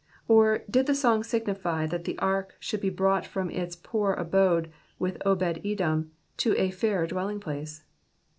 Or, did the song signify that the ark should be brought from its poor abode with Obed edom into a fairer dwelling place